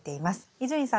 伊集院さん